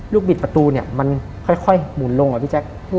ลูกบิดประตูเนี่ยมันค่อยหมุนลงอะพี่แจ๊ก